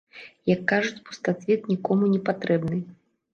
Як кажуць, пустацвет нікому не патрэбны.